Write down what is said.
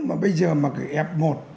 mà bây giờ mà cái f một